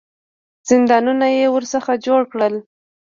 زندانونه یې ورڅخه جوړ کړل.